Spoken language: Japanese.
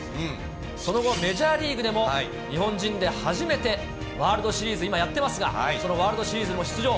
その後、メジャーリーグでも、日本人で初めてワールドシリーズ、今やってますが、そのワールドシリーズにも出場。